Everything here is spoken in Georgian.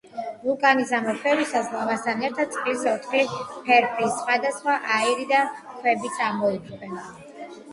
ვულკანის ამოფრქვევისას ლავასთან ერთად წყლის ორთქლი, ფერფლი, სხვადასხვა აირი და ქვებიც ამოიფრქვევა.